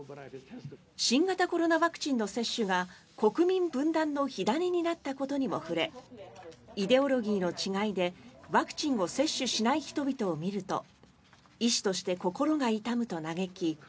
新型コロナワクチンの接種が国民分断の火種になったことにも触れイデオロギーの違いでワクチンを接種しない人々を見ると医師として心が痛むと嘆き